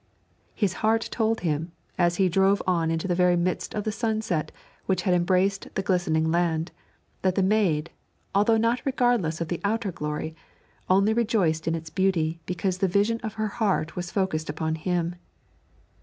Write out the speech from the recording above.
His heart told him, as he drove on into the very midst of the sunset which had embraced the glistening land, that the maid, although not regardless of the outer glory, only rejoiced in its beauty because the vision of her heart was focused upon him.